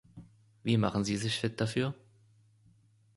Wie machen sie sich fit dafür?